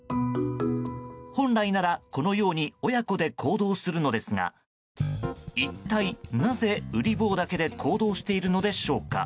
本来なら、このように親子で行動するのですが一体なぜ、うり坊だけで行動しているのでしょうか。